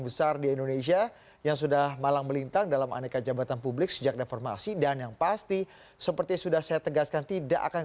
jelang penutupan pendaftaran